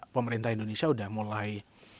pemerintah indonesia udah mulai